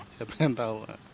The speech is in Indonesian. siapa yang tahu